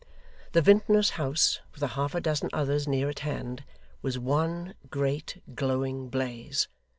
The vintner's house with a half a dozen others near at hand, was one great, glowing blaze.